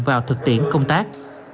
vào thực tiễn công tác